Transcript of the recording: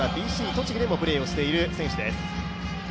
栃木でもプレーしている選手です。